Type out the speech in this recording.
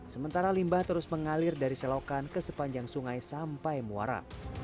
sementara limbah terus mengalir dari selokan ke sepanjang sungai sampai muara